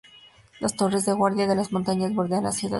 Las torres de guardia de las montañas bordean la ciudad vieja.